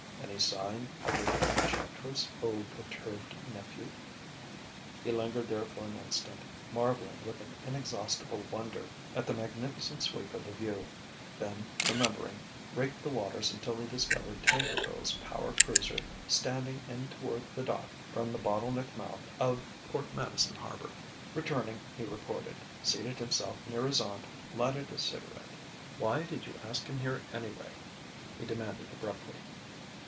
"Any sign of the Enchantress, O perturbed nephew?" He lingered there for an instant, marvelling with an inexhaustible wonder at the magnificent sweep of the view, then remembering, raked the waters until he discovered Tankerville's power cruiser standing in toward the dock from the bottle neck mouth of Port Madison harbour. Returning, he reported, seated himself near his aunt, lighted a cigarette. "Why did you ask him here anyway?" he demanded abruptly.